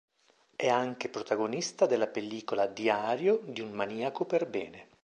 È anche protagonista della pellicola "Diario di un maniaco per bene".